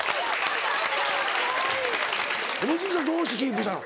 望月さんどうしてキープしたの？